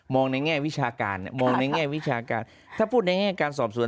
ในแง่วิชาการมองในแง่วิชาการถ้าพูดในแง่การสอบสวน